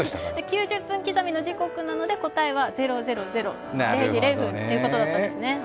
９０分刻みの時刻なので答えは０００、０時０分ということだったんですね。